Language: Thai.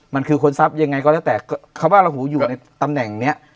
มันคือคนทรัพย์ยังไงก็แล้วแต่คำว่าระหูอยู่ในตำแหน่งเนี้ย